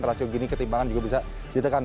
rasio gini ketimpangan juga bisa ditekan